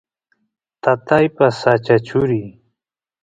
tataypa sacha churi